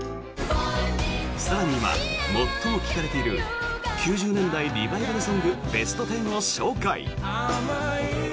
更に、今、最も聴かれている９０年代リバイバルソングベスト１０を紹介！